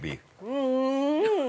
◆うん。